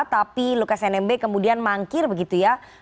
tapi lukas nmb kemudian mangkir begitu ya